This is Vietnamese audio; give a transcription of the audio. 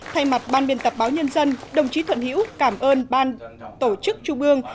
thay mặt ban biên tập báo nhân dân đồng chí thuận hiễu cảm ơn ban tổ chức trung ương